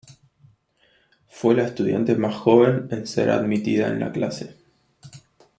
Fue la estudiante más joven en ser admitida en la clase.